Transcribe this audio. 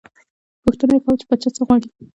پوښتنه یې کاوه، چې پاچا څه غواړي.